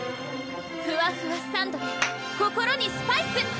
ふわふわサンドｄｅ心にスパイス！